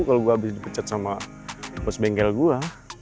kalau gue habis dipecat sama bos bengkel gue